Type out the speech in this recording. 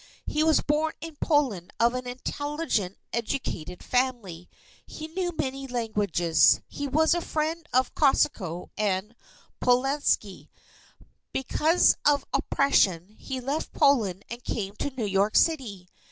He was born in Poland of an intelligent educated family. He knew many languages. He was a friend of Kosciuszko and Pulaski. Because of oppression, he left Poland and came to New York City.